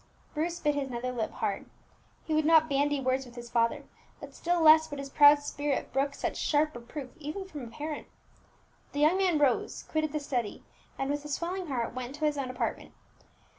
Bruce bit his nether lip hard. He would not bandy words with his father, but still less would his proud spirit brook such sharp reproof even from a parent. The young man rose, quitted the study, and with a swelling heart went to his own apartment.